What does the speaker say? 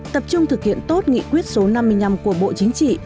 tập trung thực hiện tốt nghị quyết số năm mươi năm của bộ chính trị